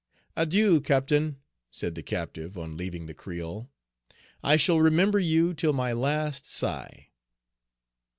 "Adieu, Captain," said the captive, on leaving the Creole; "I shall remember you till my last sigh."